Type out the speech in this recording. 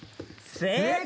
正解！